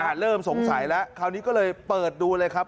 เริ่มสงสัยแล้วคราวนี้ก็เลยเปิดดูเลยครับ